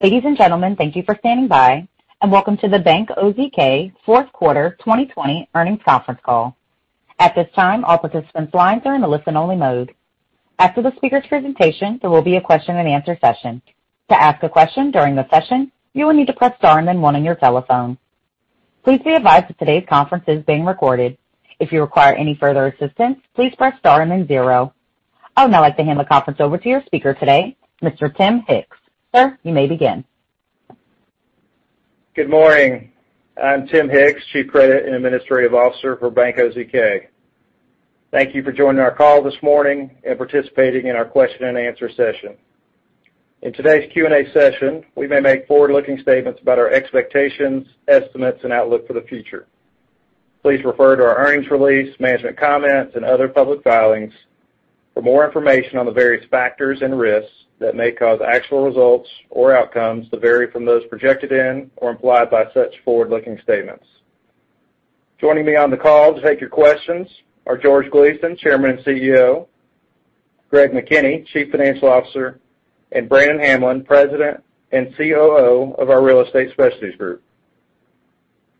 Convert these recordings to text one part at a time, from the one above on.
Ladies and gentlemen, thank you for standing by and welcome to the Bank OZK fourth quarter 2020 earnings conference call. At this time, all participants' lines are in a listen-only mode. After the speaker's presentation, there will be a question and answer session. To ask a question during the session, you will need to press star and then one on your telephone. Please be advised that today's conference is being recorded. If you require any further assistance, please press star and then 0. I would now like to hand the conference over to your speaker today, Mr. Tim Hicks. Sir, you may begin. Good morning. I'm Tim Hicks, Chief Credit and Administrative Officer for Bank OZK. Thank you for joining our call this morning and participating in our question and answer session. In today's Q&A session, we may make forward-looking statements about our expectations, estimates, and outlook for the future. Please refer to our earnings release, management comments, and other public filings for more information on the various factors and risks that may cause actual results or outcomes to vary from those projected in or implied by such forward-looking statements. Joining me on the call to take your questions are George Gleason, Chairman and CEO, Greg McKinney, Chief Financial Officer, and Brannon Hamblen, President and COO of our Real Estate Specialties Group.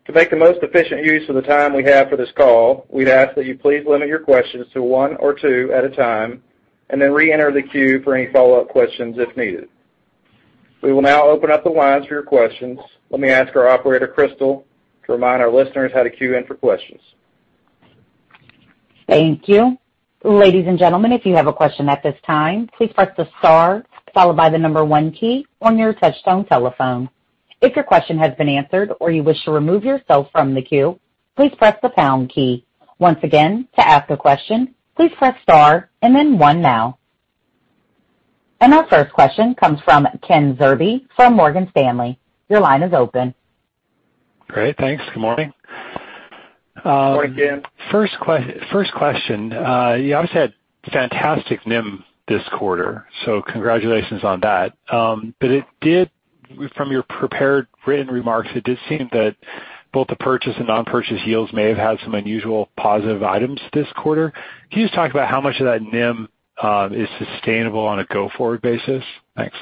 To make the most efficient use of the time we have for this call, we'd ask that you please limit your questions to one or two at a time and then re-enter the queue for any follow-up questions if needed. We will now open up the lines for your questions. Let me ask our operator, Crystal, to remind our listeners how to queue in for questions. Thank you, ladies and gentlemen if you have a question at this time, please press star followed by the number one key on your touch tone telephone. If your question has been answered or you wish to remove yourself from the queue, please press the pound key. Once again, to ask a question, please press star and then one now. And our first question comes from Ken Zerbe from Morgan Stanley. Your line is open. Great. Thanks. Good morning. Morning, Ken. First question. You obviously had fantastic NIM this quarter. Congratulations on that. From your prepared written remarks, it did seem that both the purchase and non-purchase yields may have had some unusual positive items this quarter. Can you just talk about how much of that NIM is sustainable on a go-forward basis? Thanks.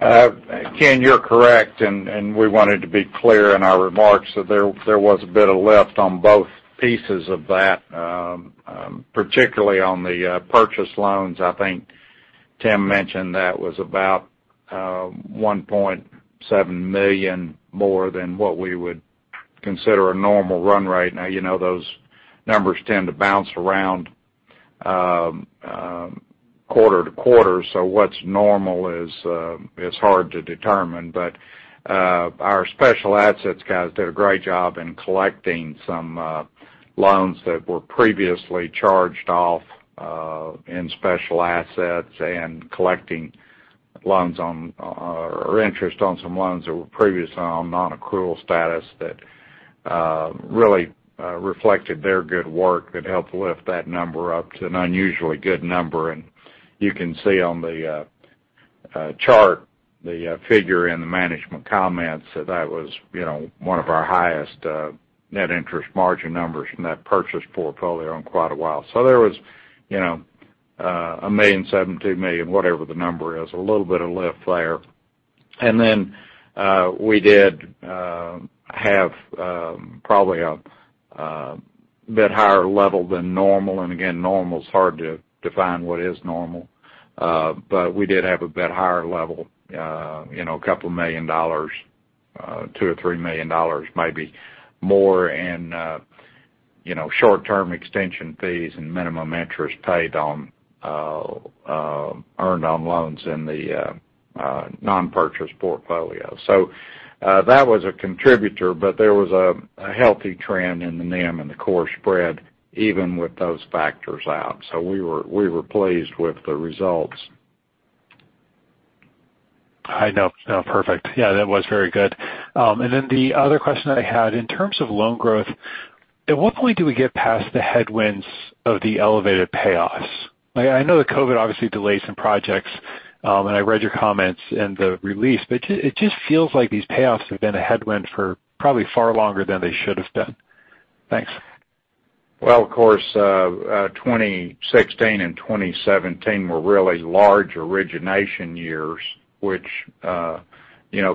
Ken, you're correct, and we wanted to be clear in our remarks that there was a bit of lift on both pieces of that, particularly on the purchase loans. I think Tim mentioned that was about $1.7 million more than what we would consider a normal run rate. Now, you know those numbers tend to bounce around quarter-to-quarter, so what's normal is hard to determine. Our special assets guys did a great job in collecting some loans that were previously charged off in special assets and collecting loans on or interest on some loans that were previously on non-accrual status that really reflected their good work that helped lift that number up to an unusually good number. You can see on the chart, the figure in the management comments, that that was one of our highest net interest margin numbers from that purchase portfolio in quite a while. There was, $1 million, $17 million, whatever the number is, a little bit of lift there. Then we did have probably a bit higher level than normal, and again, normal is hard to define what is normal, but we did have a bit higher level, $2 million, $2 million or $3 million maybe more in short-term extension fees and minimum interest earned on loans in the non-purchase portfolio. That was a contributor, but there was a healthy trend in the NIM and the core spread even with those factors out. We were pleased with the results. I know. No, perfect. Yeah, that was very good. The other question I had, in terms of loan growth, at what point do we get past the headwinds of the elevated payoffs? I know that COVID obviously delayed some projects, and I read your comments in the release, but it just feels like these payoffs have been a headwind for probably far longer than they should have been. Thanks. Well, of course, 2016 and 2017 were really large origination years, which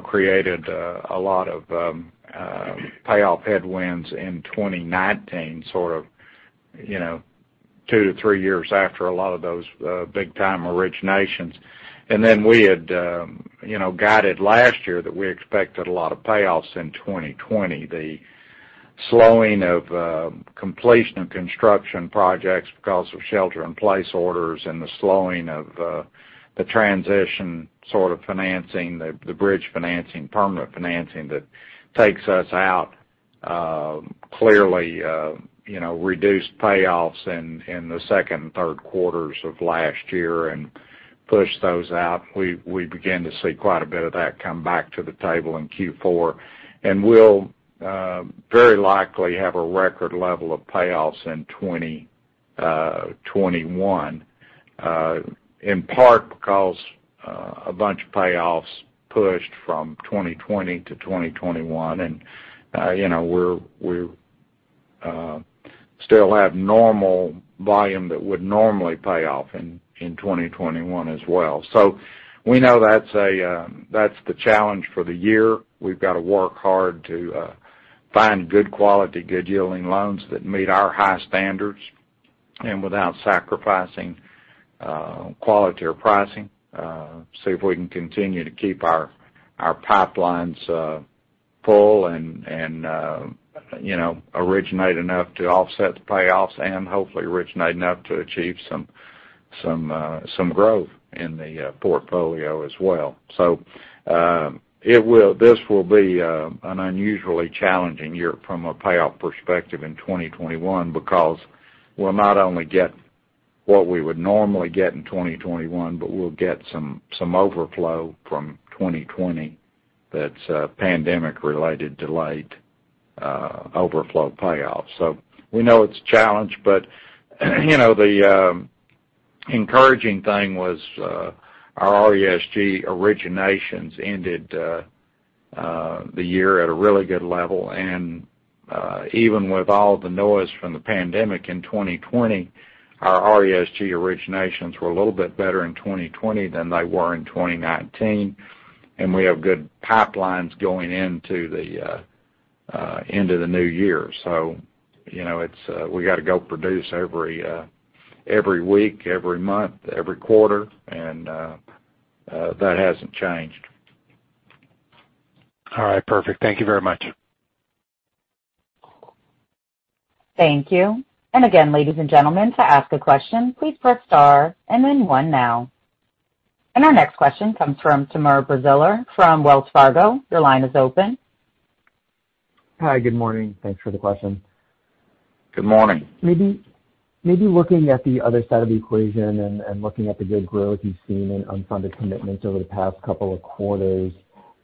created a lot of payoff headwinds in 2019, sort of two to three years after a lot of those big-time originations. We had guided last year that we expected a lot of payoffs in 2020. The slowing of completion of construction projects because of shelter in place orders and the slowing of the transition sort of financing, the bridge financing, permanent financing that takes us out clearly reduced payoffs in the second and third quarters of last year and pushed those out. We began to see quite a bit of that come back to the table in Q4. We'll very likely have a record level of payoffs in 2021, in part because a bunch of payoffs pushed from 2020 to 2021. We still have normal volume that would normally pay off in 2021 as well. We know that's the challenge for the year. We've got to work hard to find good quality, good yielding loans that meet our high standards and without sacrificing quality or pricing. See if we can continue to keep our pipelines full and originate enough to offset the payoffs and hopefully originate enough to achieve some growth in the portfolio as well. This will be an unusually challenging year from a payoff perspective in 2021 because we'll not only get what we would normally get in 2021, but we'll get some overflow from 2020 that's pandemic-related delayed overflow payoffs. We know it's a challenge, but the encouraging thing was our RESG originations ended the year at a really good level. Even with all the noise from the pandemic in 2020, our RESG originations were a little bit better in 2020 than they were in 2019. And we have good pipelines going into the new year. We got to go produce every week, every month, every quarter, and that hasn't changed. All right, perfect. Thank you very much. Thank you. Again, ladies and gentlemen, to ask a question, please press star and then one now. Our next question comes from Timur Braziler from Wells Fargo. Your line is open. Hi, good morning. Thanks for the question. Good morning. Maybe looking at the other side of the equation and looking at the good growth you've seen in unfunded commitments over the past couple of quarters,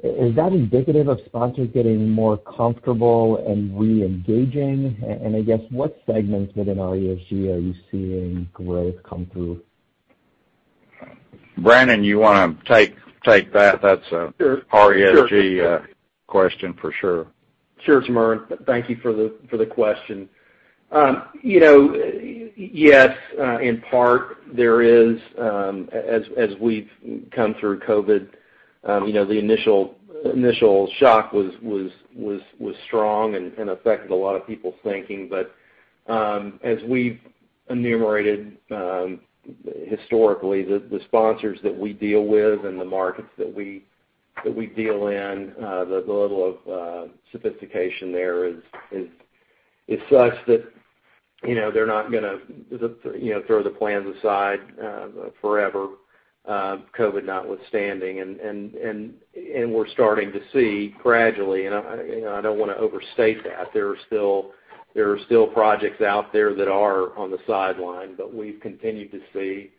is that indicative of sponsors getting more comfortable and re-engaging? I guess, what segments within RESG are you seeing growth come through? Brannon, you want to take that? Sure RESG question for sure. Sure, Timur, thank you for the question. Yes, in part, there is. As we come to recall it, you know the initial shock was strong and affected a lot of people frankly but, as we've enumerated historically, the sponsors that we deal with and the markets that we deal in, the level of sophistication there is such that they're not going to throw the plans aside forever, COVID notwithstanding. We're starting to see gradually, and I don't want to overstate that, there are still projects out there that are on the sideline, but we've continued to see,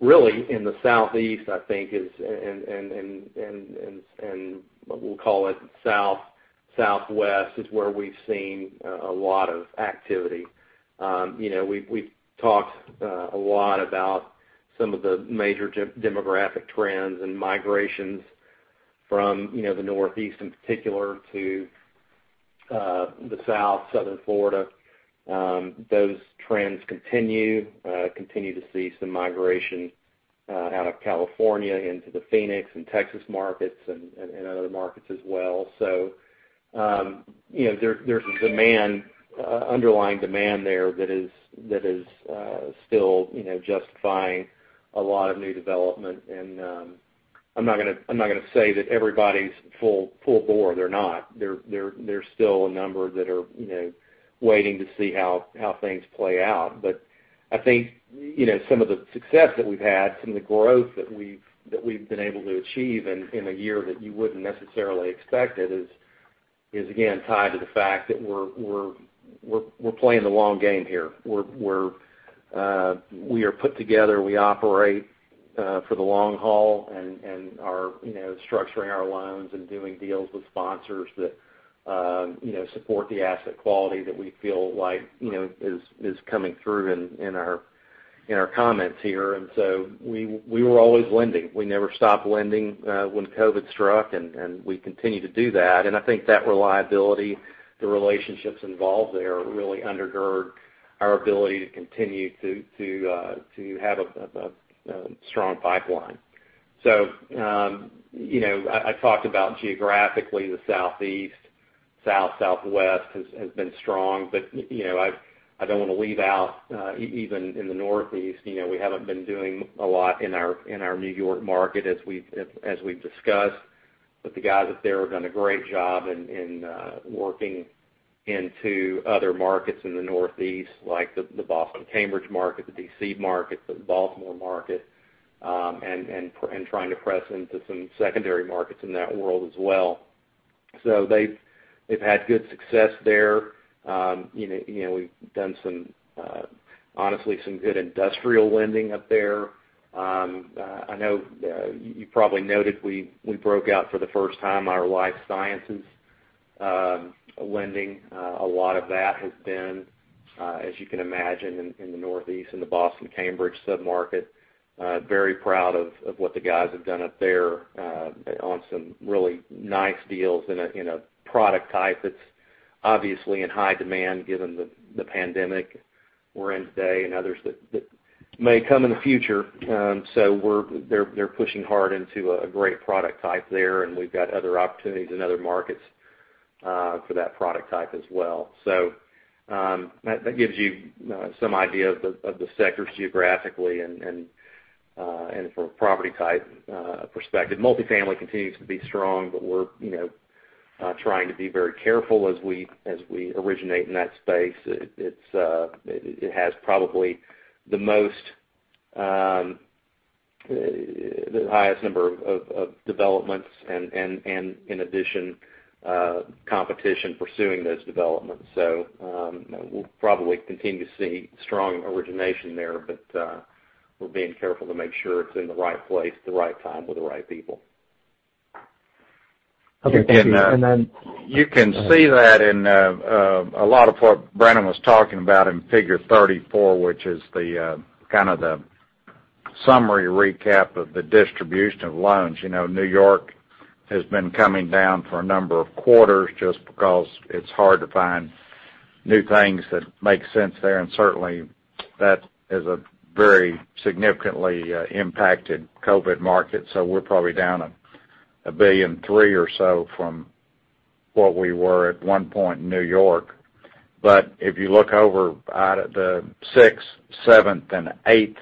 really in the Southeast, I think is, and we'll call it Southwest, is where we've seen a lot of activity. We've talked a lot about some of the major demographic trends and migrations from the Northeast in particular to the South, Southern Florida. Those trends continue to see some migration out of California into the Phoenix and Texas markets and other markets as well. There's an underlying demand there that is still justifying a lot of new development, and I'm not going to say that everybody's full bore. They're not. There's still a number that are waiting to see how things play out. I think some of the success that we've had, some of the growth that we've been able to achieve in a year that you wouldn't necessarily expect it is, again, tied to the fact that we're playing the long game here. We are put together, we operate for the long haul and are structuring our loans and doing deals with sponsors that support the asset quality that we feel like is coming through in our comments here. We were always lending. We never stopped lending when COVID struck, and we continue to do that. I think that reliability, the relationships involved there really undergird our ability to continue to have a strong pipeline. I talked about geographically, the Southeast, South, Southwest has been strong. You know like I don't want to leave out even in the Northeast. We haven't been doing a lot in our New York market as we've discussed. The guys up there have done a great job in working into other markets in the Northeast, like the Boston Cambridge market, the D.C. market, the Baltimore market, and trying to press into some secondary markets in that world as well. They've had good success there. We've done, honestly, some good industrial lending up there. I know you probably noted we broke out for the first time our life sciences lending. A lot of that has been. As you can imagine, in the Northeast, in the Boston-Cambridge sub-market, very proud of what the guys have done up there on some really nice deals in a product type that's obviously in high demand given the pandemic we're in today and others that may come in the future. They're pushing hard into a great product type there, and we've got other opportunities in other markets for that product type as well. That gives you some idea of the sectors geographically and from a property type perspective. Multifamily continues to be strong, but we're trying to be very careful as we originate in that space. It has probably the highest number of developments and in addition, competition pursuing those developments. We'll probably continue to see strong origination there, but we're being careful to make sure it's in the right place at the right time with the right people. Okay. Thank you. You can see that in a lot of what Brannon was talking about in Figure 34, which is their Candid summary recap of the distribution of loans. New York has been coming down for a number of quarters just because it is hard to find new things that make sense there, and certainly that is a very significantly impacted COVID market. We are probably down $1.3 billion or so from what we were at one point in New York. If you look over at the sixth, seventh, and eighth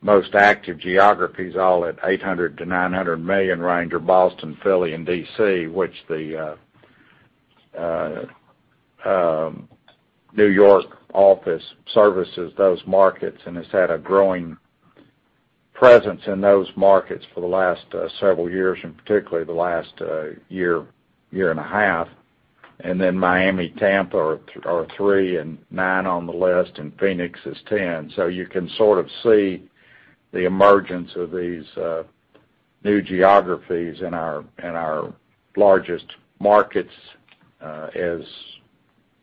most active geographies, all at $800 million-$900 million range are Boston, Philly, and D.C., which the New York office services those markets and has had a growing presence in those markets for the last several years, and particularly the last year and a half. Miami, Tampa are three and nine on the list, and Phoenix is 10. You can sort of see the emergence of these new geographies in our largest markets as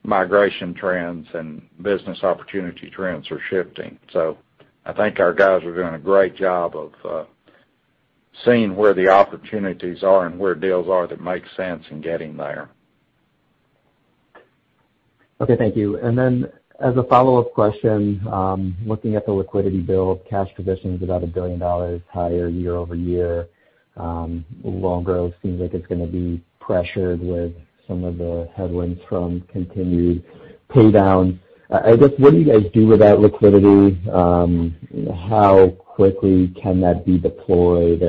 migration trends and business opportunity trends are shifting. I think our guys are doing a great job of seeing where the opportunities are and where deals are that make sense in getting there. Okay. Thank you. As a follow-up question, looking at the liquidity build, cash position's about $1 billion higher year-over-year. Loan growth seems like it's going to be pressured with some of the headwinds from continued pay downs. I guess, what do you guys do with that liquidity? How quickly can that be deployed?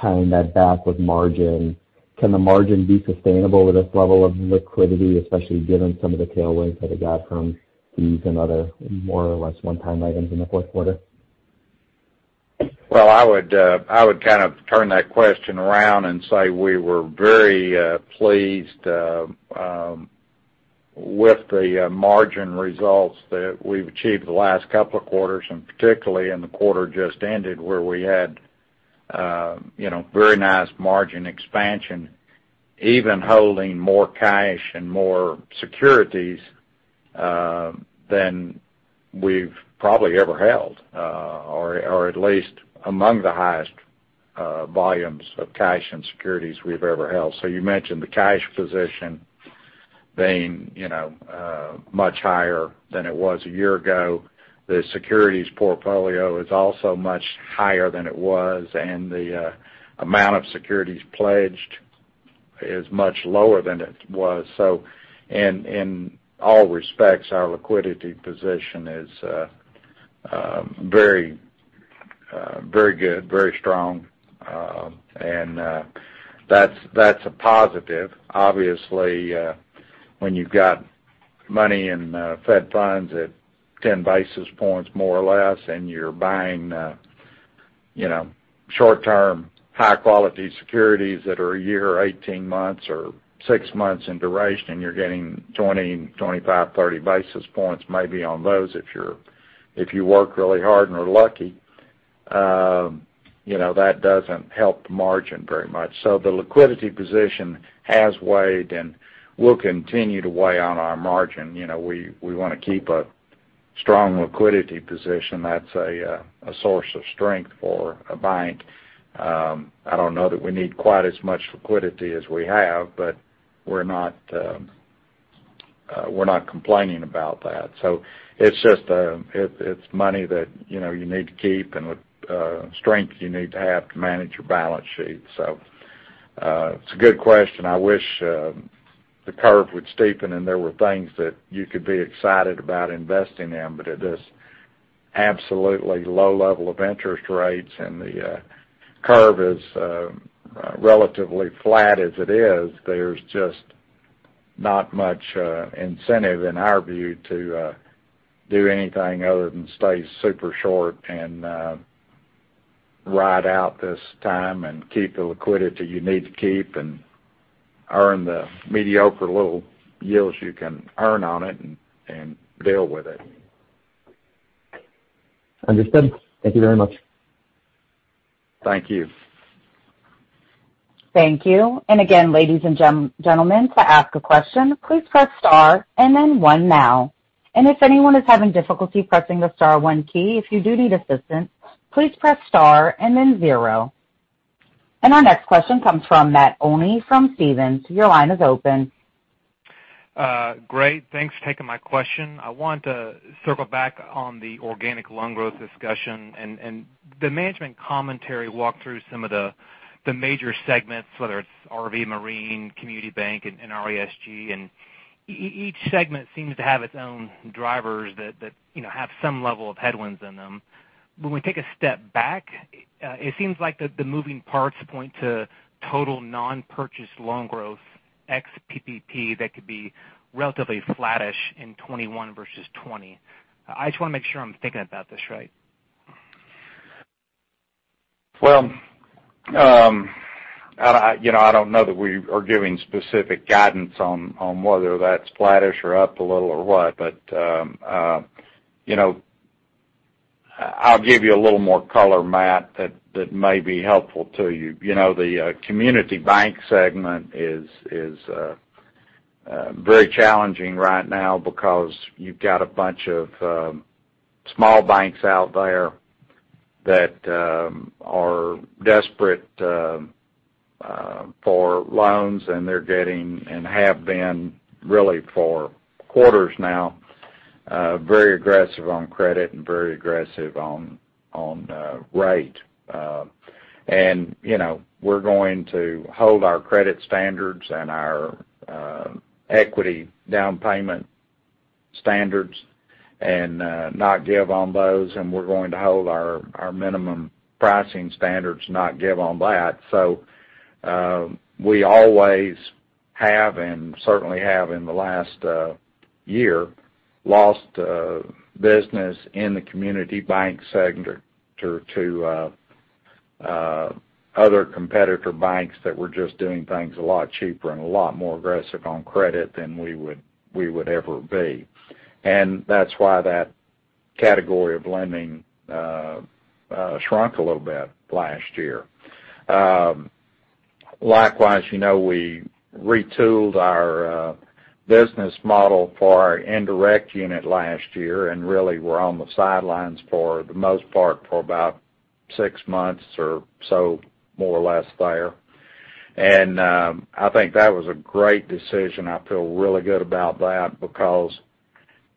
Tying that back with margin, can the margin be sustainable with this level of liquidity, especially given some of the tailwinds that it got from fees and other more or less one-time items in the fourth quarter? Well, I would kind of turn that question around and say we were very pleased with the margin results that we've achieved the last couple of quarters, and particularly in the quarter just ended, where we had very nice margin expansion, even holding more cash and more securities than we've probably ever held or at least among the highest volumes of cash and securities we've ever held. You mentioned the cash position being much higher than it was a year ago. The securities portfolio is also much higher than it was, and the amount of securities pledged is much lower than it was. In all respects, our liquidity position is very good, very strong. That's a positive. Obviously, when you've got money in Fed funds at 10 basis points, more or less, and you're buying short-term, high-quality securities that are a year, 18 months, or six months in duration, you're getting 20 basis points, 25 basis points, 30 basis points maybe on those if you work really hard and are lucky. That doesn't help the margin very much. The liquidity position has weighed and will continue to weigh on our margin. We want to keep a strong liquidity position. That's a source of strength for a bank. I don't know that we need quite as much liquidity as we have, but we're not complaining about that. It's money that you need to keep and strength you need to have to manage your balance sheet. It's a good question. I wish the curve would steepen, and there were things that you could be excited about investing in. At this absolutely low level of interest rates and the curve is relatively flat as it is, there's just not much incentive in our view to do anything other than stay super short and ride out this time and keep the liquidity you need to keep and earn the mediocre little yields you can earn on it and deal with it. Understood. Thank you very much. Thank you. Thank you. Again, ladies and gentlemen, to ask a question, please press star and then one now. And if anyone is having difficulty pressing the star one key, if you do need assistance, please press star and then 0. Our next question comes from Matt Olney from Stephens. Your line is open. Great. Thanks for taking my question. I want to circle back on the organic loan growth discussion. The management commentary walked through some of the major segments, whether it's RV, Marine, Community Bank, and RESG, and each segment seems to have its own drivers that have some level of headwinds in them. When we take a step back, it seems like the moving parts point to total non-purchase loan growth ex PPP that could be relatively flattish in 2021 versus 2020. I just want to make sure I'm thinking about this right. Well, I don't know that we are giving specific guidance on whether that's flattish or up a little or what. I'll give you a little more color, Matt, that may be helpful to you. The Community Bank segment is very challenging right now because you've got a bunch of small banks out there that are desperate for loans, and they're getting, and have been really for quarters now, very aggressive on credit and very aggressive on rate. We're going to hold our credit standards and our equity down payment standards and not give on those, and we're going to hold our minimum pricing standards, not give on that. We always have, and certainly have in the last year, lost business in the Community Bank segment to other competitor banks that were just doing things a lot cheaper and a lot more aggressive on credit than we would ever be. That's why that category of lending shrunk a little bit last year. Likewise, we retooled our business model for our indirect unit last year, and really were on the sidelines for the most part for about six months or so, more or less there. I think that was a great decision. I feel really good about that because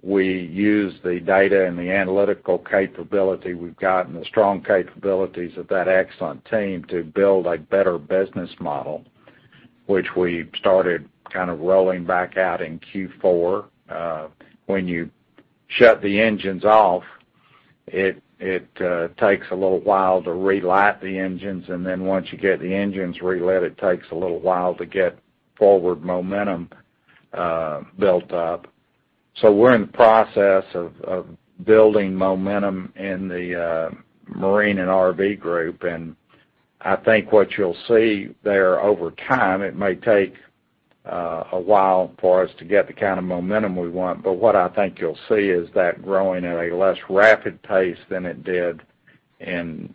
we used the data and the analytical capability we've got and the strong capabilities of that excellent team to build a better business model, which we started kind of rolling back out in Q4. When you shut the engines off, it takes a little while to relight the engines, then once you get the engines relit, it takes a little while to get forward momentum built up. We're in the process of building momentum in the Marine and RV group, I think what you'll see there over time, it may take a while for us to get the kind of momentum we want. What I think you'll see is that growing at a less rapid pace than it did in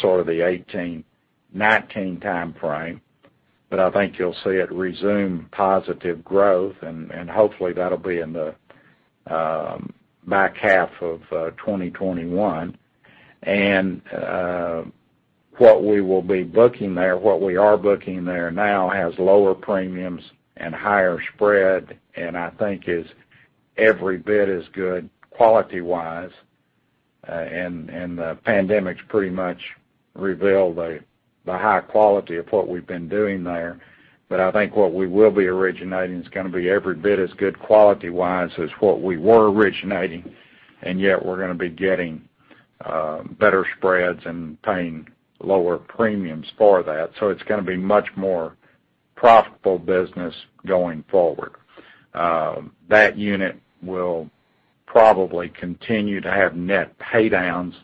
sort of the 2018, 2019 time frame. I think you'll see it resume positive growth, hopefully, that'll be in the back half of 2021. What we will be booking there, what we are booking there now has lower premiums and higher spread, I think is every bit as good quality-wise. The pandemic's pretty much revealed the high quality of what we've been doing there. I think what we will be originating is going to be every bit as good quality-wise as what we were originating, and yet we're going to be getting better spreads and paying lower premiums for that. It's going to be much more profitable business going forward. That unit will probably continue to have net pay downs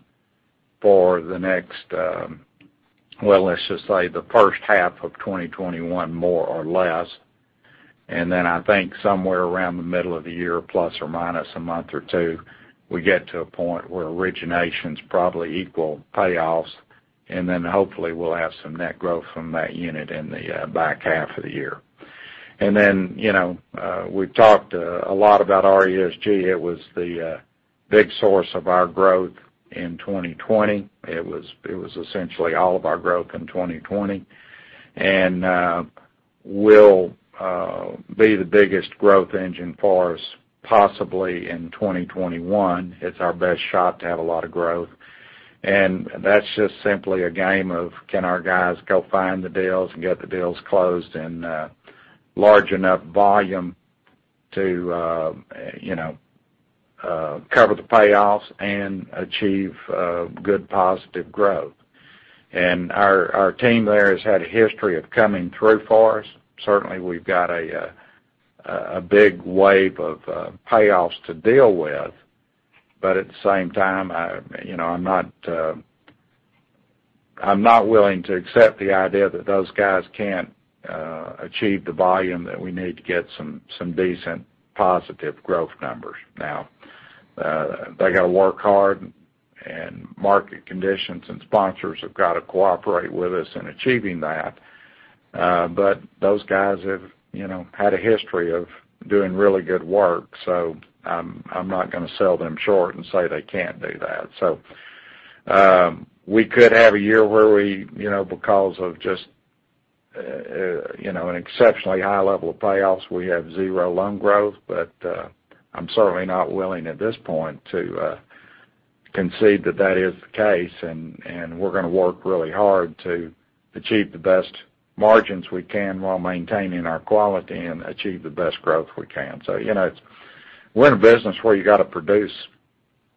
for the next, well, let's just say the first half of 2021, more or less. I think somewhere around the middle of the year, ± a month or two, we get to a point where originations probably equal payoffs, and then hopefully we'll have some net growth from that unit in the back half of the year. We've talked a lot about RESG. It was the big source of our growth in 2020. It was essentially all of our growth in 2020. Will be the biggest growth engine for us possibly in 2021. It's our best shot to have a lot of growth. That's just simply a game of can our guys go find the deals and get the deals closed and large enough volume to cover the payoffs and achieve good positive growth. Our team there has had a history of coming through for us. Certainly, we've got a big wave of payoffs to deal with. At the same time, I'm not willing to accept the idea that those guys can't achieve the volume that we need to get some decent positive growth numbers. Now, they got to work hard, and market conditions and sponsors have got to cooperate with us in achieving that. Those guys have had a history of doing really good work, so I'm not going to sell them short and say they can't do that. We could have a year where we, because of just an exceptionally high level of payoffs, we have 0 loan growth, but, I'm certainly not willing at this point to concede that that is the case. We're going to work really hard to achieve the best margins we can while maintaining our quality and achieve the best growth we can. We're in a business where you got to produce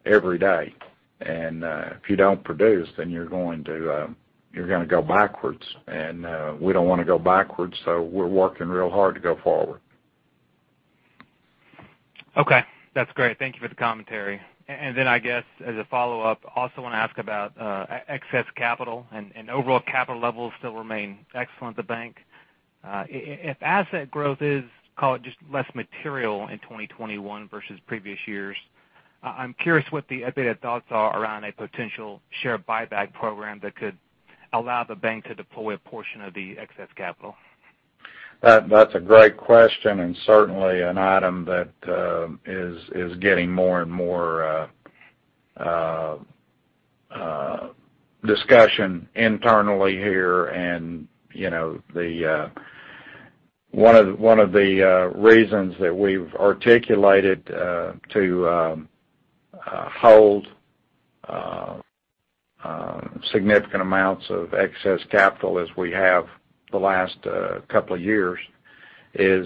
every day, and, if you don't produce, then you're going to go backwards and, we don't want to go backwards, so we're working real hard to go forward. Okay. That's great. Thank you for the commentary. I guess, as a follow-up, also want to ask about excess capital and overall capital levels still remain excellent at the bank. If asset growth is, call it just less material in 2021 versus previous years, I'm curious what the [EPS data] thoughts are around a potential share buyback program that could allow the bank to deploy a portion of the excess capital. That's a great question and certainly an item that is getting more and more discussion internally here. One of the reasons that we've articulated to hold significant amounts of excess capital as we have the last couple of years is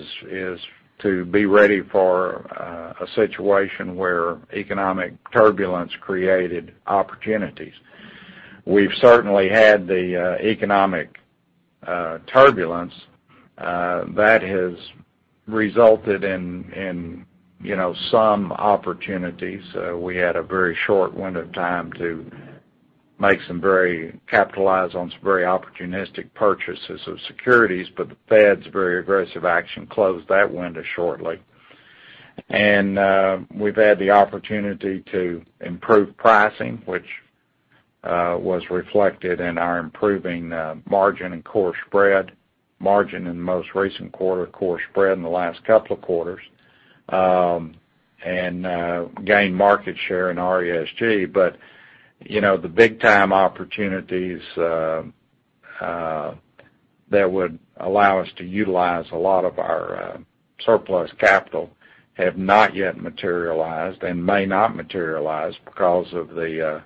to be ready for a situation where economic turbulence created opportunities. We've certainly had the economic turbulence, that has resulted in some opportunities. We had a very short window of time to capitalize on some very opportunistic purchases of securities, but the Fed's very aggressive action closed that window shortly. We've had the opportunity to improve pricing, which was reflected in our improving margin and core spread. Margin in the most recent quarter, core spread in the last couple of quarters. Gained market share in RESG. The big-time opportunities that would allow us to utilize a lot of our surplus capital have not yet materialized and may not materialize because of the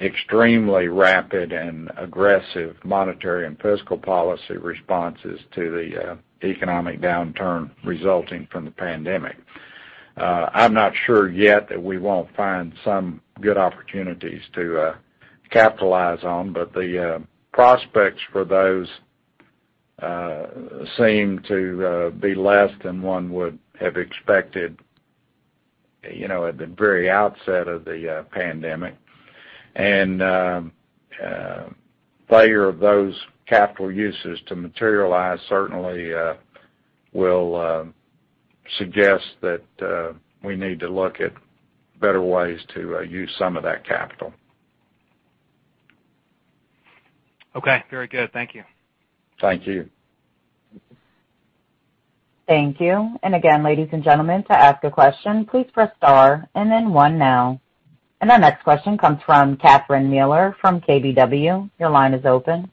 extremely rapid and aggressive monetary and fiscal policy responses to the economic downturn resulting from the pandemic. I'm not sure yet that we won't find some good opportunities to capitalize on, but the prospects for those seem to be less than one would have expected at the very outset of the pandemic. Failure of those capital uses to materialize certainly will suggest that we need to look at better ways to use some of that capital. Okay. Very good. Thank you. Thank you. Thank you. Again, ladies and gentlemen, to ask a question, please press star and then one now. Our next question comes from Catherine Mealor from KBW. Your line is open.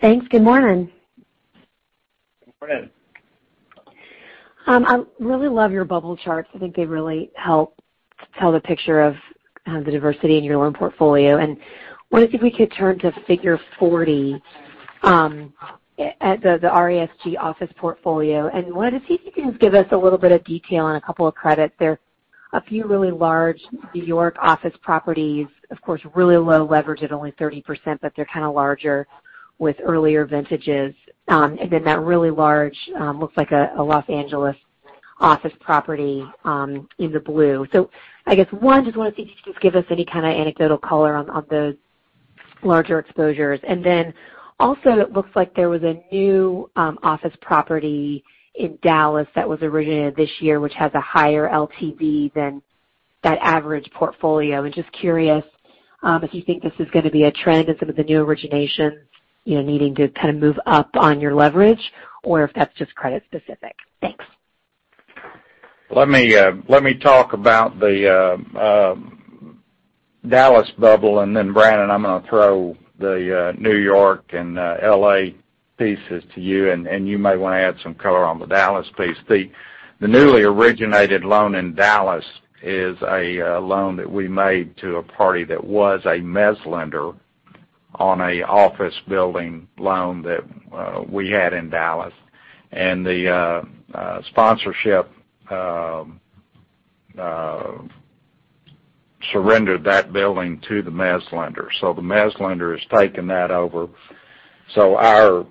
Thanks. Good morning. Good morning. I really love your bubble charts. I think they really help tell the picture of the diversity in your loan portfolio. I was wondering if we could turn to Figure 40, at the RESG office portfolio, and wanted to see if you can just give us a little bit of detail on a couple of credits there. A few really large New York office properties. Of course, really low leverage at only 30%, but they're kind of larger with earlier vintages. That really large, looks like a Los Angeles office property, in the blue. I guess one, just want to see if you could give us any kind of anecdotal color on those larger exposures. Also, it looks like there was a new office property in Dallas that was originated this year, which has a higher LTV than that average portfolio. Just curious, if you think this is going to be a trend in some of the new originations, needing to kind of move up on your leverage or if that's just credit specific. Thanks. Let me talk about the Dallas bubble, then Brannon, I'm going to throw the New York and L.A. pieces to you, and you may want to add some color on the Dallas piece. The newly originated loan in Dallas is a loan that we made to a party that was a mezz lender on an office building loan that we had in Dallas. The sponsorship surrendered that building to the mezz lender. The mezz lender has taken that over. Our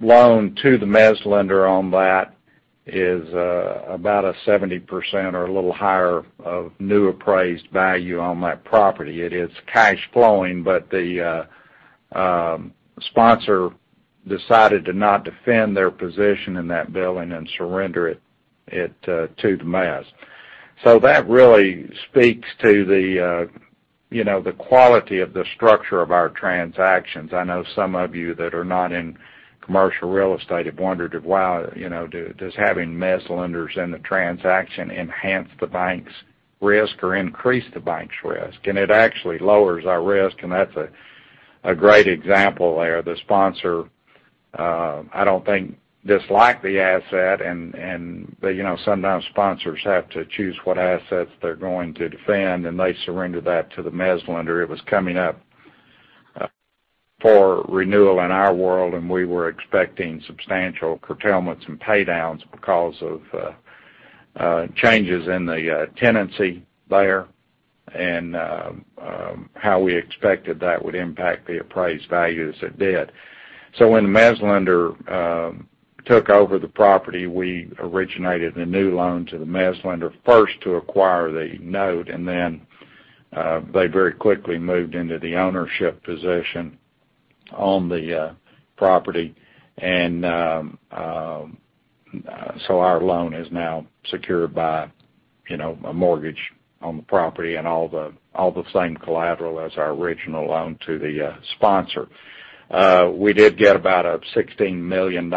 loan to the mezz lender on that is about a 70% or a little higher of new appraised value on that property. It is cash flowing, the sponsor decided to not defend their position in that building and surrender it to the mezz. That really speaks to the quality of the structure of our transactions. I know some of you that are not in commercial real estate have wondered, well, does having mezz lenders in the transaction enhance the bank's risk or increase the bank's risk? It actually lowers our risk, and that's a great example there. The sponsor, I don't think, disliked the asset, but sometimes sponsors have to choose what assets they're going to defend, and they surrendered that to the mezz lender. It was coming up for renewal in our world, and we were expecting substantial curtailments and pay downs because of changes in the tenancy there and how we expected that would impact the appraised values. It did. When the mezz lender took over the property, we originated a new loan to the mezz lender, first to acquire the note, and then they very quickly moved into the ownership position on the property. Our loan is now secured by a mortgage on the property and all the same collateral as our original loan to the sponsor. We did get about a $16 million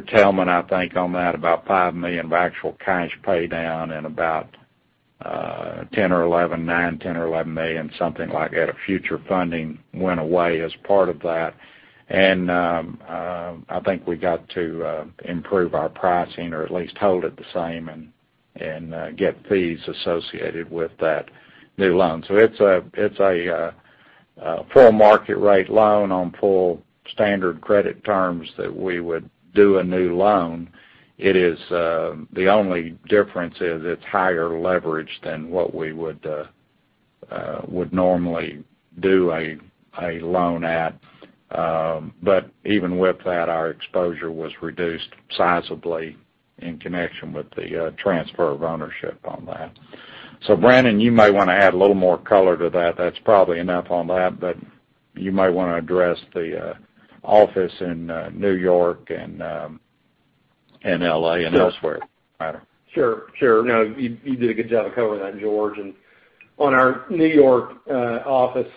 curtailment, I think, on that. About $5 million of actual cash pay down and about $9, $10 or $11 million, something like that, of future funding went away as part of that. I think we got to improve our pricing or at least hold it the same and get fees associated with that new loan. It's a full market rate loan on full standard credit terms that we would do a new loan. The only difference is it's higher leverage than what we would normally do a loan at. Even with that, our exposure was reduced sizably in connection with the transfer of ownership on that. Brannon, you may want to add a little more color to that. That's probably enough on that, but you may want to address the office in New York and L.A. and elsewhere. Sure. No, you did a good job of covering that, George. On our New York. office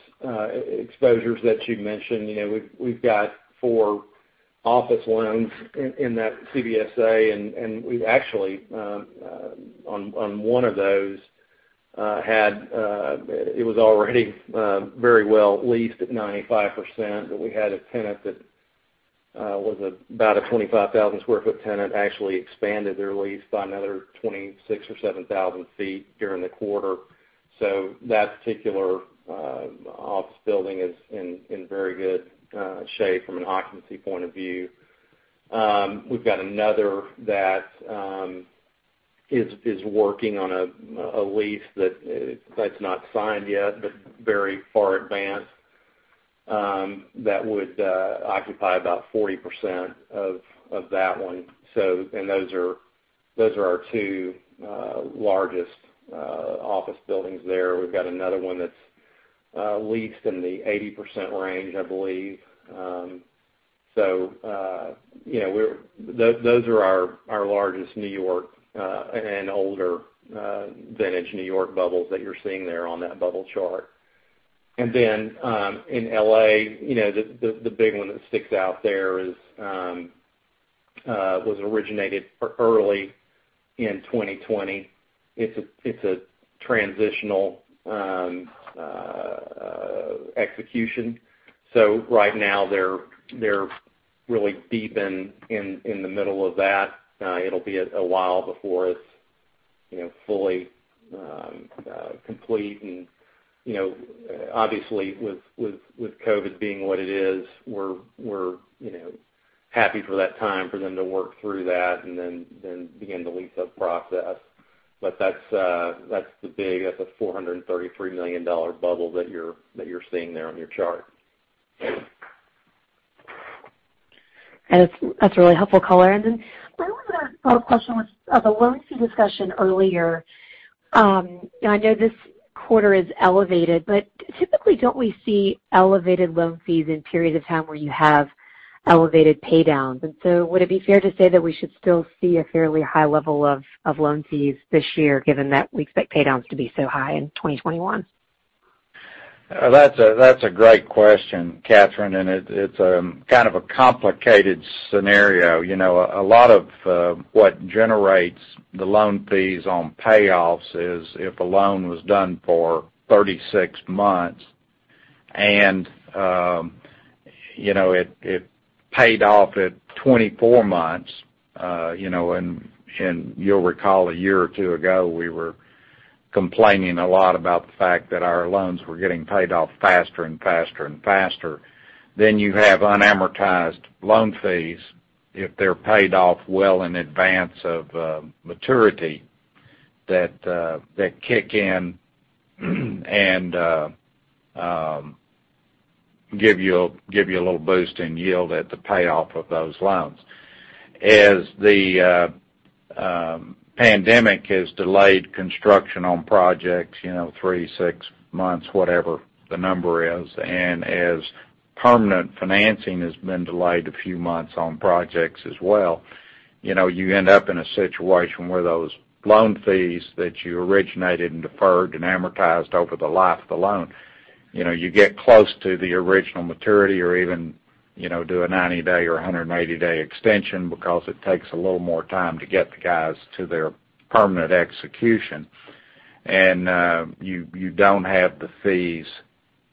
exposures that you mentioned, we've got four office loans in that CBSA, we've actually, on one of those, it was already very well leased at 95%, but we had a tenant that was about a 25,000 sq ft tenant, actually expanded their lease by another 26,000 or 27,000 feet during the quarter. That particular office building is in very good shape from an occupancy point of view. We've got another that is working on a lease that's not signed yet, but very far advanced. That would occupy about 40% of that one. Those are our two largest office buildings there. We've got another one that's leased in the 80% range, I believe. Those are our largest New York and older vintage New York bubbles that you're seeing there on that bubble chart. In L.A., the big one that sticks out there was originated early in 2020. It's a transitional execution. Right now, they're really deep in the middle of that. It'll be a while before it's fully complete. Obviously, with COVID being what it is, we're happy for that time for them to work through that and then begin the lease-up process. That's a $433 million bubble that you're seeing there on your chart. That's a really helpful color. My other follow-up question was of the loan fee discussion earlier. I know this quarter is elevated, but typically, don't we see elevated loan fees in periods of time where you have elevated pay downs? Would it be fair to say that we should still see a fairly high level of loan fees this year, given that we expect pay downs to be so high in 2021? That's a great question, Catherine, and it's kind of a complicated scenario. A lot of what generates the loan fees on payoffs is if a loan was done for 36 months and it paid off at 24 months. You'll recall a year or two ago, we were complaining a lot about the fact that our loans were getting paid off faster and faster. You have unamortized loan fees if they're paid off well in advance of maturity. That kick in and give you a little boost in yield at the payoff of those loans. As the pandemic has delayed construction on projects, three, six months, whatever the number is, and as permanent financing has been delayed a few months on projects as well. You end up in a situation where those loan fees that you originated and deferred and amortized over the life of the loan, you get close to the original maturity or even do a 90-day or 180-day extension because it takes a little more time to get the guys to their permanent execution. You don't have the fees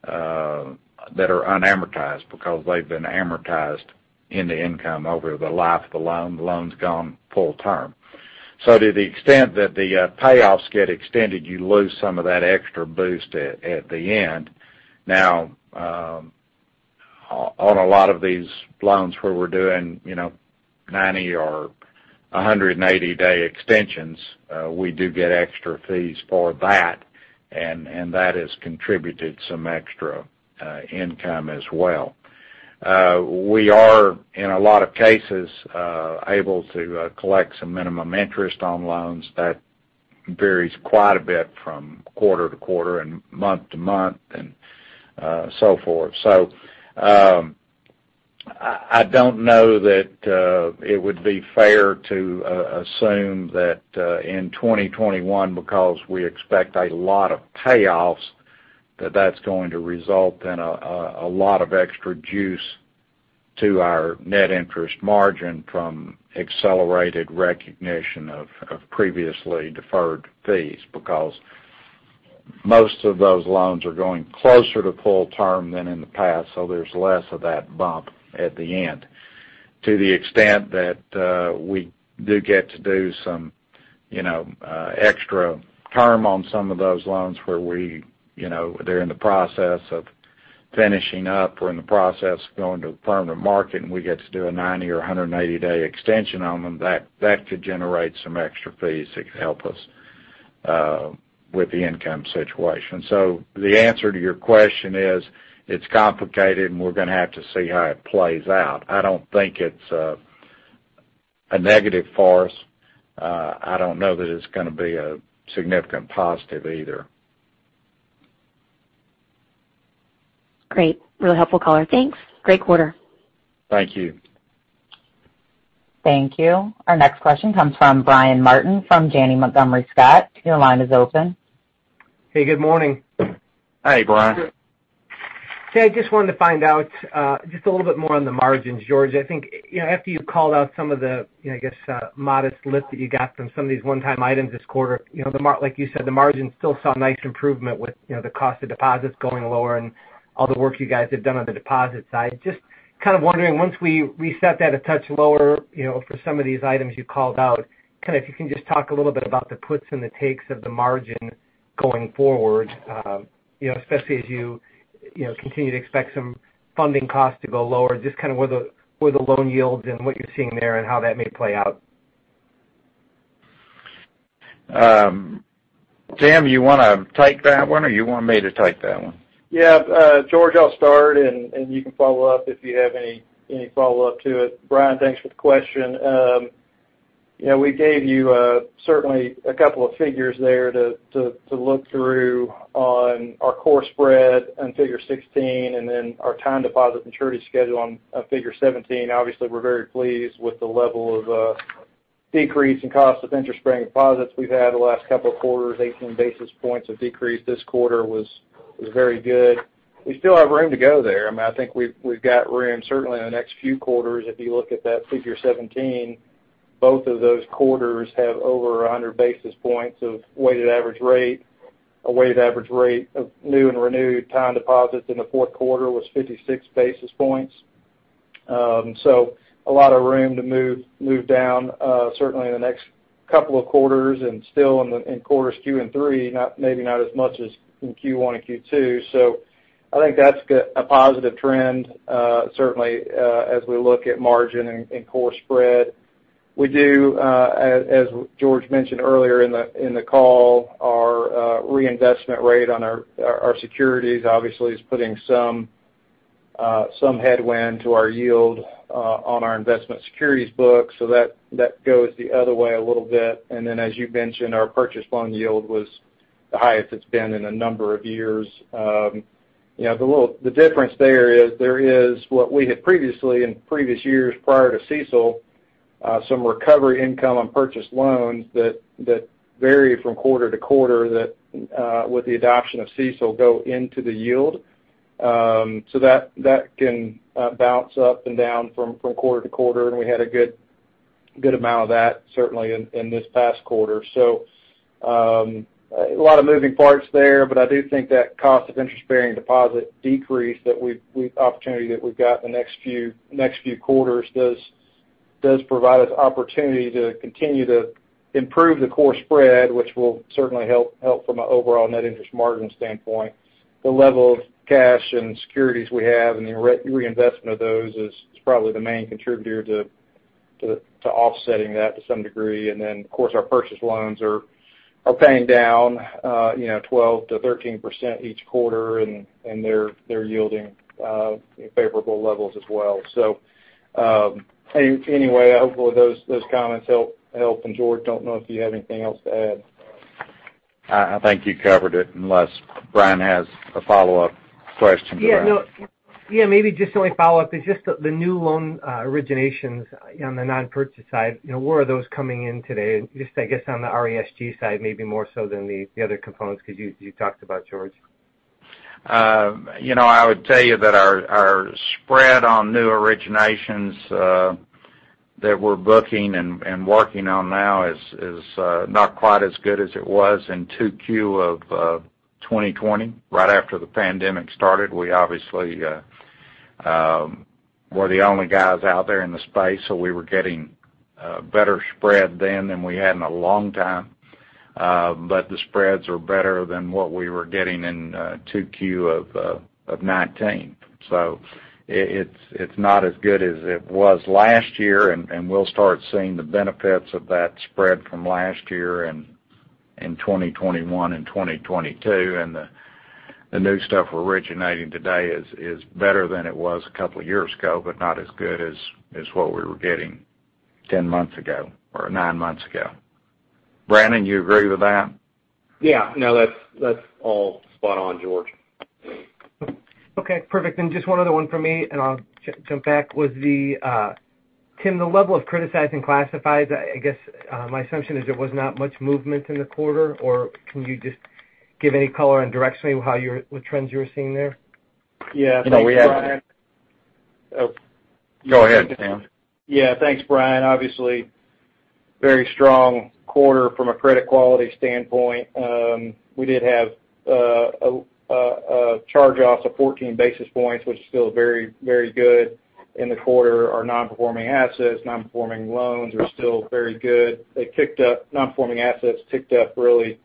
that are unamortized because they've been amortized into income over the life of the loan. The loan's gone full term. To the extent that the payoffs get extended, you lose some of that extra boost at the end. On a lot of these loans where we're doing 90 or 180-day extensions, we do get extra fees for that, and that has contributed some extra income as well. We are, in a lot of cases, able to collect some minimum interest on loans. That varies quite a bit from quarter-to-quarter and month-to-month and so forth. I don't know that it would be fair to assume that in 2021, because we expect a lot of payoffs, that that's going to result in a lot of extra juice to our net interest margin from accelerated recognition of previously deferred fees. Most of those loans are going closer to full term than in the past, so there's less of that bump at the end. To the extent that we do get to do some extra term on some of those loans where they're in the process of finishing up, or in the process of going to the permanent market, and we get to do a 90 or 180-day extension on them, that could generate some extra fees that could help us with the income situation. The answer to your question is, it's complicated, and we're going to have to see how it plays out. I don't think it's a negative for us. I don't know that it's going to be a significant positive either. Great. Really helpful color. Thanks. Great quarter. Thank you. Thank you. Our next question comes from Brian Martin from Janney Montgomery Scott. Your line is open. Hey, good morning. Hey, Brian. Hey, I just wanted to find out, just a little bit more on the margins, George. I think after you called out some of the modest lift that you got from some of these one-time items this quarter. Like you said, the margins still saw nice improvement with the cost of deposits going lower and all the work you guys have done on the deposit side. Just kind of wondering, once we reset that a touch lower for some of these items you called out, if you can just talk a little bit about the puts and the takes of the margin going forward, especially as you continue to expect some funding costs to go lower. Just kind of where the loan yields and what you're seeing there and how that may play out. Tim, you want to take that one, or you want me to take that one? George, I'll start, and you can follow up if you have any follow-up to it. Brian, thanks for the question. We gave you certainly a couple of figures there to look through on our core spread in Figure 16, and then our time deposit maturity schedule on Figure 17. Obviously, we're very pleased with the level of decrease in cost of interest-bearing deposits we've had the last couple of quarters. 18 basis points of decrease this quarter was very good. We still have room to go there. I think we've got room certainly in the next few quarters. If you look at that Figure 17, both of those quarters have over 100 basis points of weighted average rate. A weighted average rate of new and renewed time deposits in the fourth quarter was 56 basis points. A lot of room to move down certainly in the next couple of quarters and still in quarters two and three, maybe not as much as in Q1 and Q2. I think that's a positive trend, certainly, as we look at margin and core spread. We do, as George mentioned earlier in the call, our reinvestment rate on our securities obviously is putting some headwind to our yield on our investment securities book. That goes the other way a little bit. As you mentioned, our purchase loan yield was the highest it's been in a number of years. The difference there is what we had previously in previous years prior to CECL, some recovery income on purchased loans that vary from quarter-to-quarter that, with the adoption of CECL, go into the yield. That can bounce up and down from quarter-to-quarter, and we had a good amount of that certainly in this past quarter. A lot of moving parts there, but I do think that cost of interest-bearing deposit decrease, the opportunity that we've got in the next few quarters does provide us opportunity to continue to improve the core spread, which will certainly help from an overall net interest margin standpoint. The level of cash and securities we have and the reinvestment of those is probably the main contributor to offsetting that to some degree, and then, of course, our purchase loans are paying down 12%-13% each quarter, and they're yielding favorable levels as well. Anyway, hopefully those comments help. George, don't know if you have anything else to add? I think you covered it, unless Brian has a follow-up question for us. Yeah. Maybe just the only follow-up is just the new loan originations on the non-purchase side. Where are those coming in today? Just, I guess, on the RESG side, maybe more so than the other components, because you talked about George. I would tell you that our spread on new originations that we're booking and working on now is not quite as good as it was in 2Q 2020, right after the pandemic started. We obviously were the only guys out there in the space, we were getting a better spread then than we had in a long time. The spreads are better than what we were getting in 2Q 2019. It's not as good as it was last year, and we'll start seeing the benefits of that spread from last year in 2021 and 2022. The new stuff we're originating today is better than it was a couple of years ago, but not as good as what we were getting 10 months ago or nine months ago. Brannon, you agree with that? Yeah. No, that's all spot on, George. Okay, perfect. Just one other one from me, and I'll jump back. Tim, the level of criticized assets, I guess, my assumption is there was not much movement in the quarter, or can you just give any color and directionally what trends you were seeing there? Yeah. Thanks, Brian. Go ahead, Tim. Yeah. Thanks, Brian. Obviously, very strong quarter from a credit quality standpoint. We did have charge-offs of 14 basis points, which is still very good in the quarter. Our non-performing assets, non-performing loans are still very good. Non-performing assets ticked up really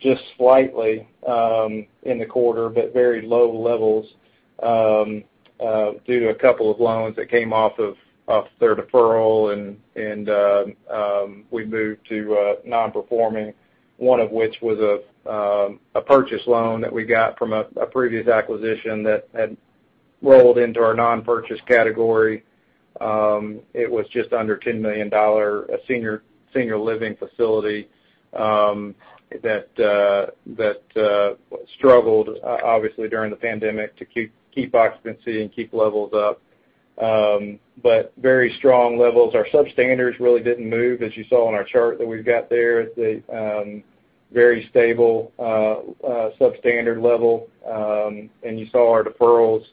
just slightly in the quarter, but very low levels due to a couple of loans that came off their deferral and we moved to non-performing. One of which was a purchase loan that we got from a previous acquisition that had rolled into our non-purchase category. It was just under $10 million, a senior living facility that struggled, obviously, during the pandemic to keep occupancy and keep levels up. Very strong levels. Our substandards really didn't move, as you saw on our chart that we've got there. The very stable substandard level. You saw our deferrals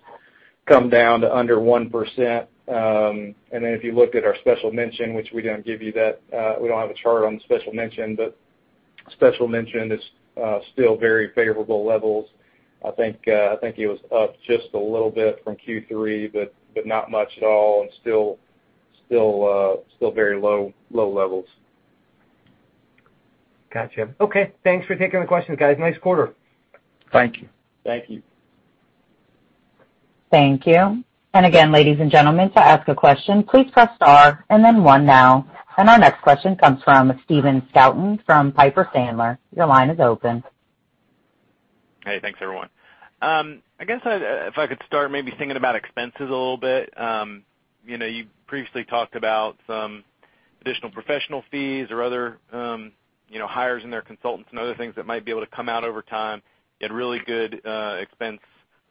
come down to under 1%. If you looked at our special mention, which we don't give you that we don't have a chart on the special mention, but special mention is still very favorable levels. I think it was up just a little bit from Q3, but not much at all, and still very low levels. Got you. Okay. Thanks for taking the questions, guys. Nice quarter. Thank you. Thank you. Thank you. Again, ladies and gentlemen, to ask a question, please press star and then one now. Our next question comes from Stephen Scouten from Piper Sandler. Your line is open. Hey, thanks everyone. I guess if I could start maybe thinking about expenses a little bit. You previously talked about some additional professional fees or other hires and their consultants and other things that might be able to come out over time. You had really good expense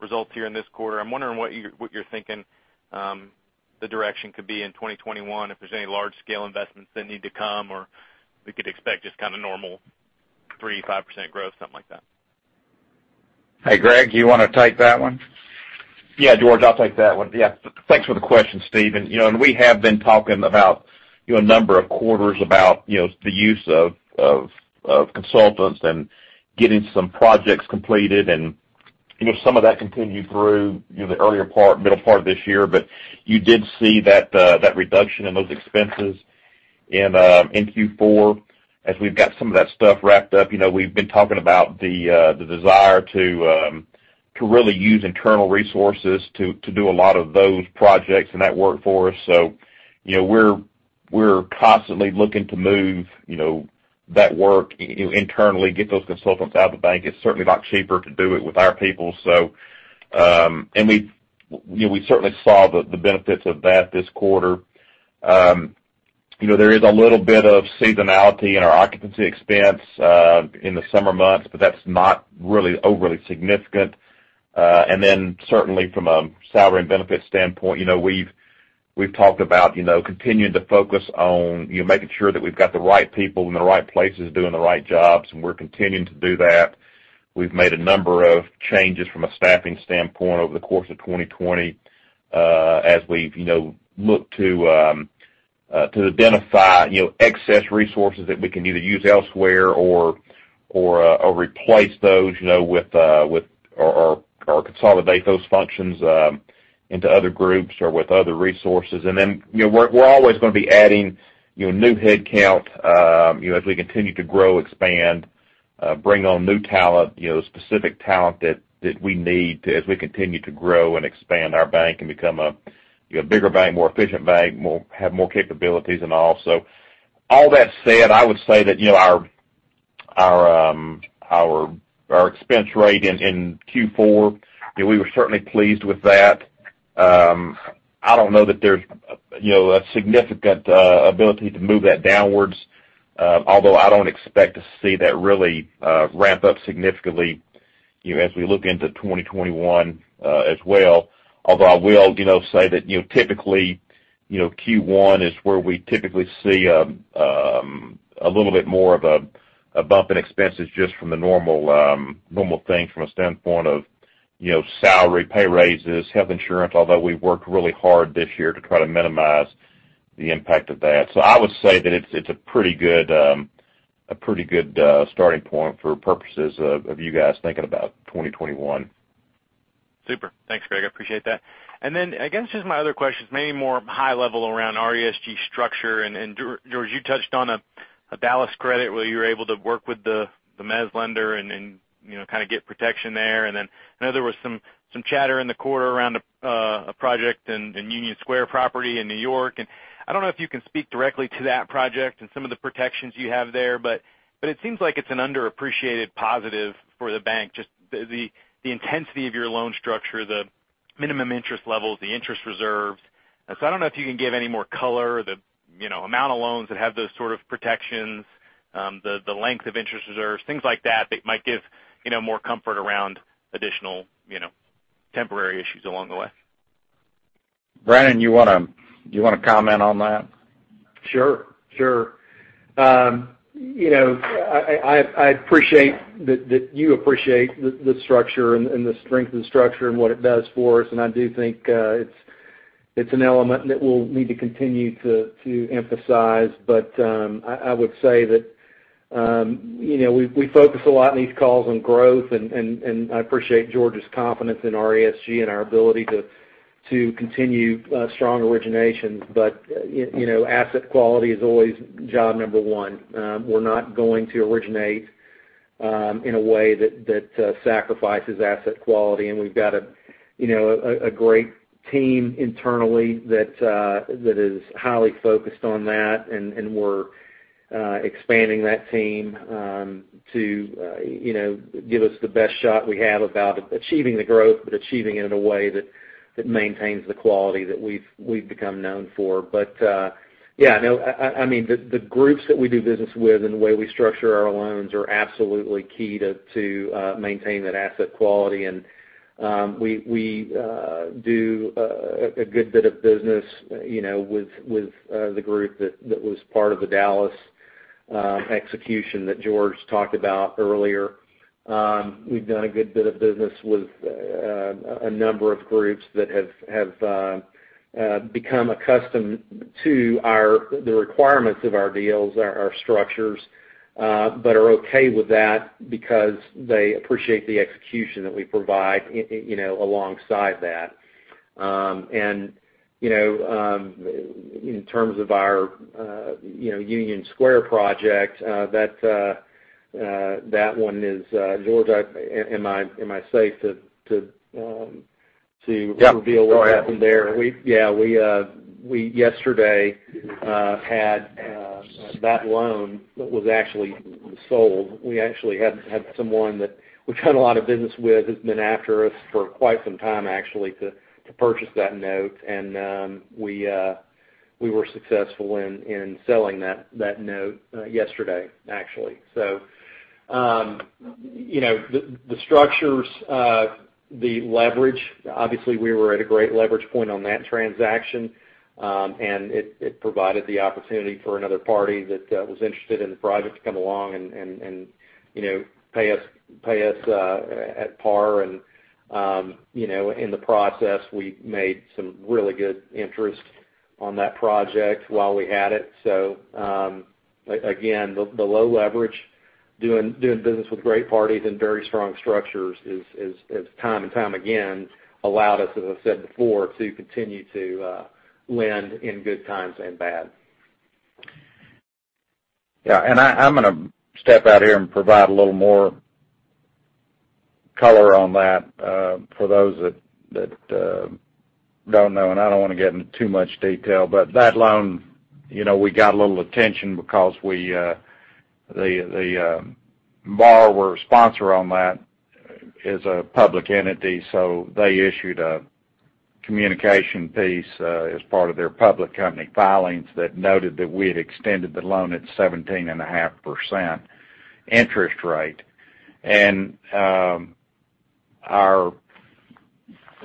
results here in this quarter. I'm wondering what you're thinking the direction could be in 2021, if there's any large-scale investments that need to come, or we could expect just kind of normal 3%, 5% growth, something like that? Hey, Greg, do you want to take that one? George, I'll take that one. Thanks for the question, Stephen. We have been talking about a number of quarters about the use of consultants and getting some projects completed. Some of that continued through the earlier part, middle part of this year. You did see that reduction in those expenses in Q4 as we've got some of that stuff wrapped up. We've been talking about the desire to really use internal resources to do a lot of those projects and that workforce. We're constantly looking to move that work internally, get those consultants out of the bank. It's certainly a lot cheaper to do it with our people. We certainly saw the benefits of that this quarter. There is a little bit of seasonality in our occupancy expense in the summer months, but that's not really overly significant. Certainly from a salary and benefits standpoint, we've talked about continuing to focus on making sure that we've got the right people in the right places doing the right jobs, and we're continuing to do that. We've made a number of changes from a staffing standpoint over the course of 2020, as we've looked to identify excess resources that we can either use elsewhere or replace those or consolidate those functions into other groups or with other resources. We're always going to be adding new headcount as we continue to grow, expand. Bring on new talent, specific talent that we need as we continue to grow and expand our bank and become a bigger bank, more efficient bank, have more capabilities and all. All that said, I would say that our expense rate in Q4, we were certainly pleased with that. I don't know that there's a significant ability to move that downwards. I don't expect to see that really ramp up significantly, as we look into 2021 as well. I will say that typically, Q1 is where we typically see a little bit more of a bump in expenses just from the normal things from a standpoint of salary, pay raises, health insurance, although we worked really hard this year to try to minimize the impact of that. I would say that it's a pretty good starting point for purposes of you guys thinking about 2021. Super. Thanks, Greg. Appreciate that. I guess just my other question is maybe more high level around RESG structure. George, you touched on a Dallas credit where you were able to work with the mezz lender and kind of get protection there. I know there was some chatter in the quarter around a project in Union Square property in New York. I don't know if you can speak directly to that project and some of the protections you have there, but it seems like it's an underappreciated positive for the bank, just the intensity of your loan structure, the minimum interest levels, the interest reserves. I don't know if you can give any more color, the amount of loans that have those sort of protections, the length of interest reserves, things like that might give more comfort around additional temporary issues along the way. Brannon, you want to comment on that? Sure. I appreciate that you appreciate the structure and the strength of the structure and what it does for us. I do think it's an element that we'll need to continue to emphasize. I would say that we focus a lot in these calls on growth, and I appreciate George’s confidence in RESG and our ability to continue strong originations. Asset quality is always job number one. We're not going to originate in a way that sacrifices asset quality, and we've got a great team internally that is highly focused on that, and we're expanding that team to give us the best shot we have about achieving the growth, but achieving it in a way that maintains the quality that we've become known for. Yeah, the groups that we do business with and the way we structure our loans are absolutely key to maintain that asset quality. We do a good bit of business with the group that was part of the Dallas execution that George talked about earlier. We've done a good bit of business with a number of groups that have become accustomed to the requirements of our deals, our structures, but are okay with that because they appreciate the execution that we provide alongside that. In terms of our Union Square project, that one, George, am I safe to? Yeah. Reveal a little bit from there? Go ahead. Yeah. We yesterday had that loan that was actually sold. We actually had someone that we've done a lot of business with, has been after us for quite some time, actually, to purchase that note. We were successful in selling that note yesterday, actually. The structures, the leverage, obviously, we were at a great leverage point on that transaction. It provided the opportunity for another party that was interested in the project to come along and pay us at par. In the process, we made some really good interest on that project while we had it. Again, the low leverage, doing business with great parties and very strong structures has time and time again allowed us, as I said before, to continue to lend in good times and bad. Yeah. I'm going to step out here and provide a little more color on that for those that don't know, and I don't want to get into too much detail. That loan, we got a little attention because the borrower sponsor on that is a public entity, so they issued a communication piece as part of their public company filings that noted that we had extended the loan at 17.5% interest rate. Our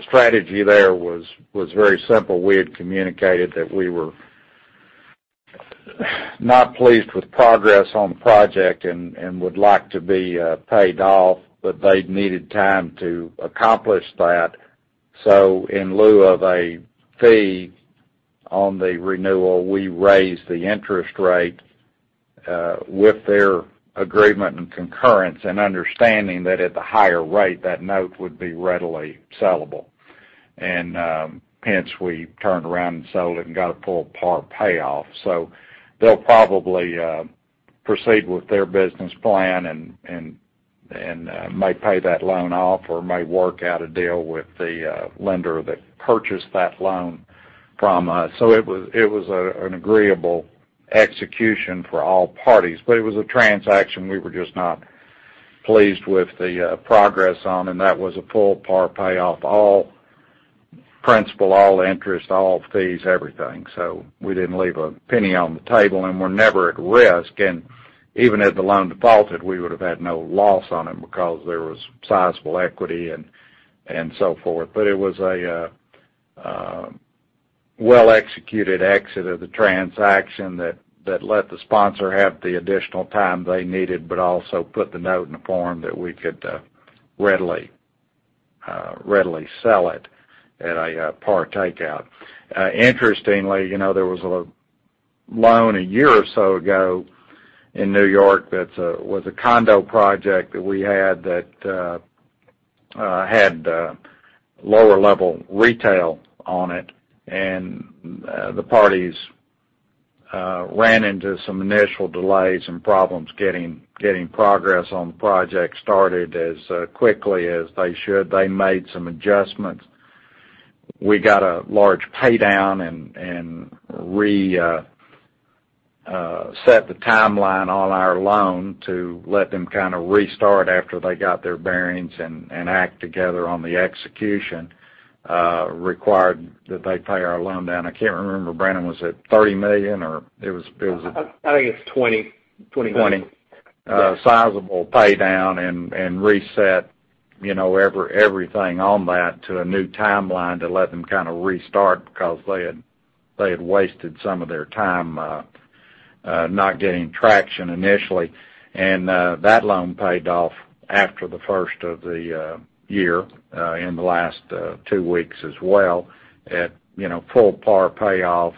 strategy there was very simple. We had communicated that we were not pleased with progress on the project and would like to be paid off, but they needed time to accomplish that. In [lieu] of a fee on the renewal, we raised the interest rate with their agreement and concurrence and understanding that at the higher rate, that note would be readily sellable. Hence we turned around and sold it and got a full par payoff. They'll probably proceed with their business plan and may pay that loan off or may work out a deal with the lender that purchased that loan from us. It was an agreeable execution for all parties. It was a transaction we were just not pleased with the progress on, and that was a full par payoff, all principal, all interest, all fees, everything. We didn't leave a penny on the table, and we're never at risk. Even had the loan defaulted, we would've had no loss on it because there was sizable equity and so forth. It was a well-executed exit of the transaction that let the sponsor have the additional time they needed, but also put the note in a form that we could readily sell it at a par takeout. Interestingly, there was a loan a year or so ago in New York that was a condo project that we had that had lower-level retail on it. The parties ran into some initial delays and problems getting progress on the project started as quickly as they should. They made some adjustments. We got a large pay-down and reset the timeline on our loan to let them kind of restart after they got their bearings and act together on the execution, required that they pay our loan down. I can't remember, Brannon, was it $30 million or? I think it's $20 million. $20. Yeah. Sizable pay-down and reset everything on that to a new timeline to let them kind of restart because they had wasted some of their time not getting traction initially. That loan paid off after the first of the year, in the last two weeks as well, at full par payoff.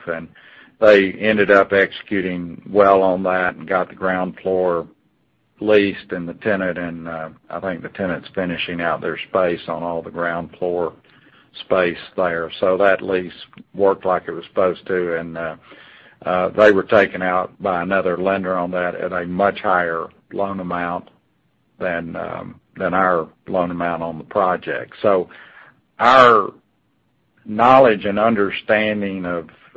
They ended up executing well on that and got the ground floor leased and the tenant, and I think the tenant's finishing out their space on all the ground floor space there. That lease worked like it was supposed to, and they were taken out by another lender on that at a much higher loan amount than our loan amount on the project. Our knowledge and understanding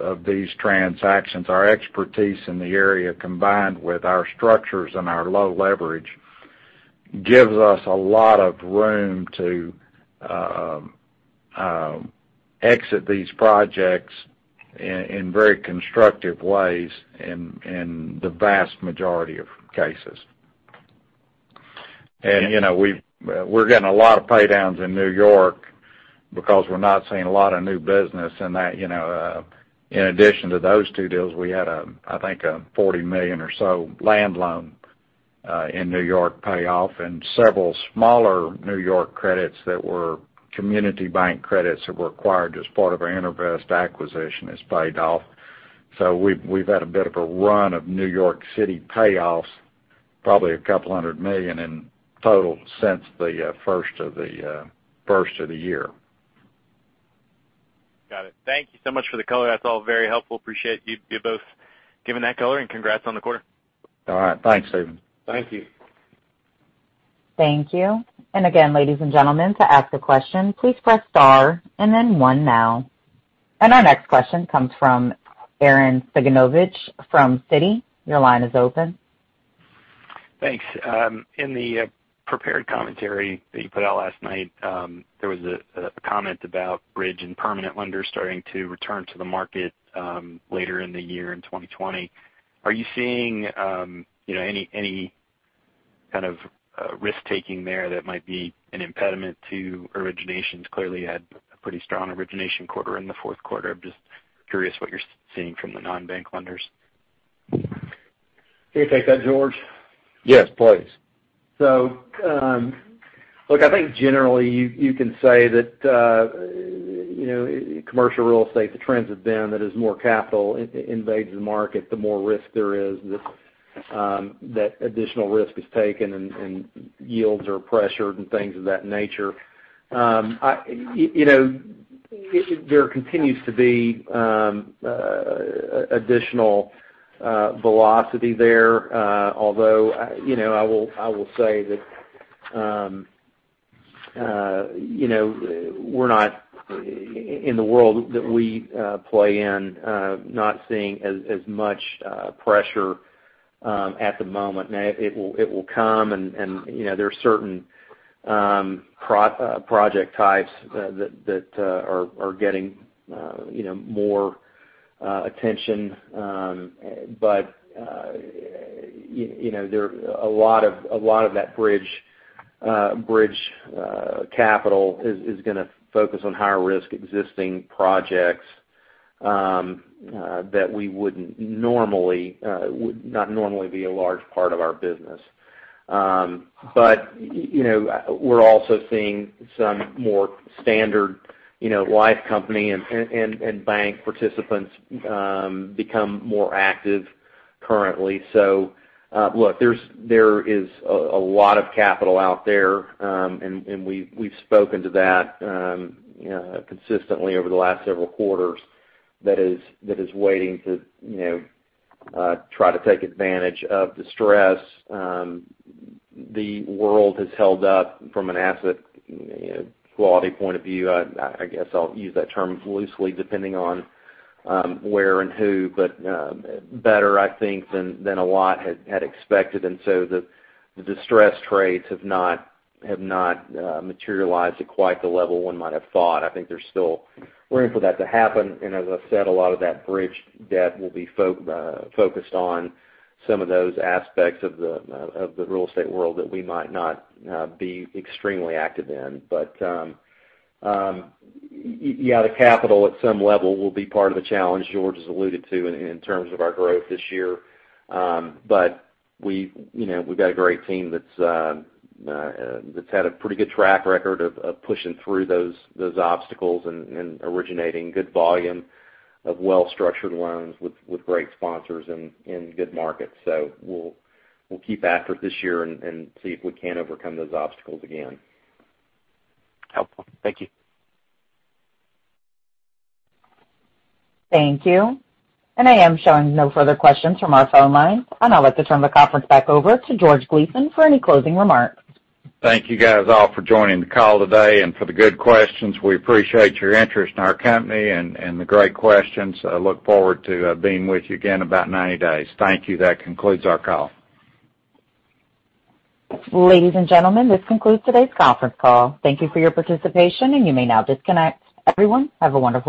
of these transactions, our expertise in the area, combined with our structures and our low leverage, gives us a lot of room to exit these projects in very constructive ways in the vast majority of cases. We're getting a lot of pay-downs in New York because we're not seeing a lot of new business in that. In addition to those two deals, we had, I think, a $40 million or so land loan in New York pay off and several smaller New York credits that were Community Bank credits that were acquired as part of our Intervest acquisition is paid off. We've had a bit of a run of New York City payoffs, probably $200 million in total since the first of the year. Got it. Thank you so much for the color. That's all very helpful. Appreciate you both giving that color, and congrats on the quarter. All right. Thanks, Stephen. Thank you. Thank you. Again, ladies and gentlemen, to ask a question, please press star and then one now. Our next question comes from Arren Cyganovich from Citi. Your line is open. Thanks. In the prepared commentary that you put out last night, there was a comment about bridge and permanent lenders starting to return to the market later in the year in 2020. Are you seeing any kind of risk-taking there that might be an impediment to originations? Clearly, you had a pretty strong origination quarter in the fourth quarter. I'm just curious what you're seeing from the non-bank lenders. Can I take that, George? Yes, please. Look, I think generally you can say that commercial real estate, the trends have been that as more capital invades the market, the more risk there is, that additional risk is taken, and yields are pressured and things of that nature. There continues to be additional velocity there. I will say that in the world that we play in, not seeing as much pressure at the moment. Now, it will come, and there are certain project types that are getting more attention. A lot of that bridge capital is going to focus on higher-risk existing projects that would not normally be a large part of our business. We're also seeing some more standard life company and bank participants become more active currently. Look, there is a lot of capital out there, and we've spoken to that consistently over the last several quarters, that is waiting to try to take advantage of distress. The world has held up from an asset quality point of view, I guess I'll use that term loosely depending on where and who, but better, I think, than a lot had expected. The distressed trades have not materialized at quite the level one might have thought. I think there's still room for that to happen. As I've said, a lot of that bridge debt will be focused on some of those aspects of the real estate world that we might not be extremely active in. Yeah, the capital at some level will be part of the challenge George has alluded to in terms of our growth this year. We've got a great team that's had a pretty good track record of pushing through those obstacles and originating good volume of well-structured loans with great sponsors in good markets. We'll keep at it this year and see if we can overcome those obstacles again. Helpful. Thank you. Thank you. I am showing no further questions from our phone lines. I'd like to turn the conference back over to George Gleason for any closing remarks. Thank you guys all for joining the call today and for the good questions. We appreciate your interest in our company and the great questions. I look forward to being with you again in about 90 days. Thank you. That concludes our call. Ladies and gentlemen, this concludes today's conference call. Thank you for your participation, and you may now disconnect. Everyone, have a wonderful day.